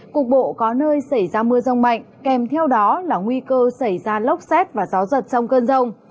cục bộ có nơi xảy ra mưa rông mạnh kèm theo đó là nguy cơ xảy ra lốc xét và gió giật trong cơn rông